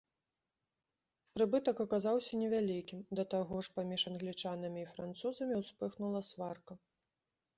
Прыбытак аказаўся не вялікім, да таго ж паміж англічанамі і французамі ўспыхнула сварка.